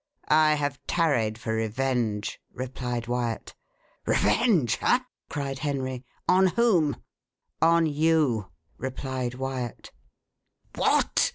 "I have tarried for revenge," replied Wyat. "Revenge! ha!" cried Henry. "On whom?" "On you," replied Wyat. "What!"